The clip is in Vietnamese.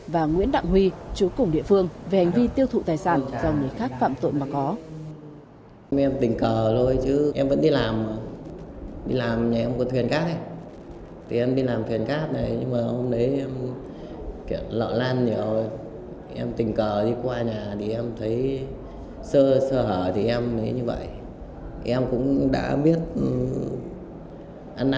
và nguyễn đạng huy chú cùng địa phương về hành vi tiêu chuẩn